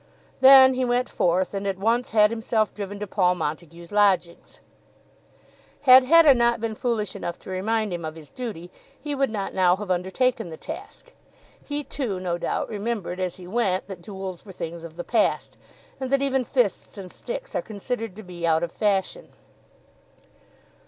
Then he went forth, and at once had himself driven to Paul Montague's lodgings. Had Hetta not been foolish enough to remind him of his duty, he would not now have undertaken the task. He too, no doubt, remembered as he went that duels were things of the past, and that even fists and sticks are considered to be out of fashion.